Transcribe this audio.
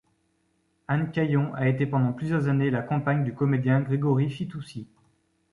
Anne Caillon a été pendant plusieurs années la compagne du comédien Grégory Fitoussi.